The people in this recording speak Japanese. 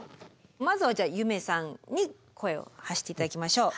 まずは夢さんに声を発して頂きましょう。